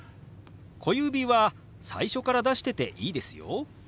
小指は最初から出してていいですよ。